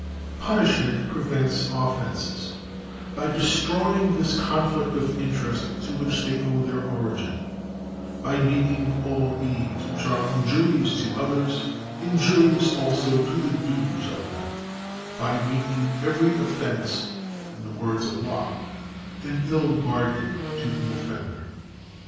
Punishment prevents offences by destroy ing this conflict of interests to which they owe their origin — by making all deeds w^hich are injurious to others injurious also to the doers of them — by making every offence, in the words of Locke, " an ill bargain to the offender."